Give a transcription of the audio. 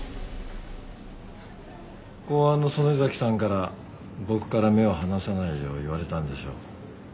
公安の曽根崎さんから僕から目を離さないよう言われたんでしょ？